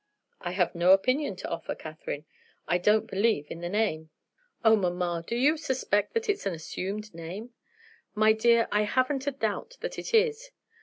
"I have no opinion to offer, Catherine. I don't believe in the name." "Oh, mamma, do you suspect that it's an assumed name?" "My dear, I haven't a doubt that it is.